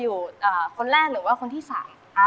รู้เหมือนให้อีกคน